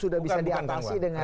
sudah bisa diatasi dengan